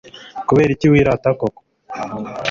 Kubera iki wirata koko ?